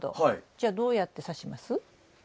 じゃあどうやってさします？